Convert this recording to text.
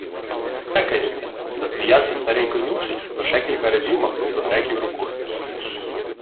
— Вхекаються, — засміявся старий конюший, проте кілька разів махнув до греків рукою.